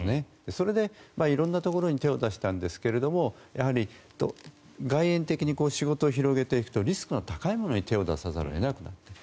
それで色んなところに手を出したんですけれどもやはり、外延的に仕事を広げていくとリスクの高いものに手を出さざるを得なくなってくる。